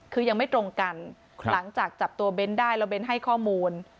คือยังไม่ตรงกันหลังจากจับตัวเบ้นได้แล้วเน้นให้ข้อมูล